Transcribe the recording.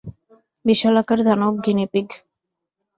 বিশালাকার দানব গিনিপিগ।